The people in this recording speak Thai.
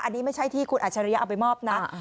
อันนี้ไม่ใช่ที่คุณอัจฉริยะเอาไปมอบนะ